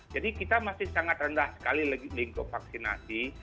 jadi kita masih sangat rendah sekali link up vaksinasi